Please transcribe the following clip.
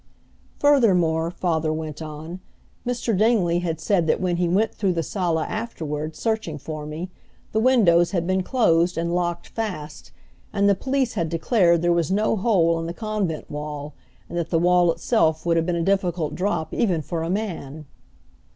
Furthermore, father went on, Mr. Dingley had said that when he went through the sala afterward, searching for me, the windows had been closed and locked fast and the police had declared there was no hole in the convent wall, and that the wall itself would have been a difficult drop even for a man.